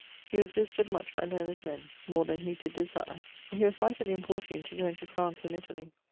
_> He was visited much by learned ; more then he did desire. He was mightily importuned to goe into France and Italie.